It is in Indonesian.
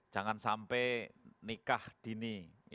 jangan sampai nikah dini